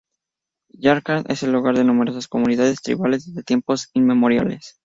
Jharkhand es el hogar de numerosas comunidades tribales desde tiempos inmemoriales.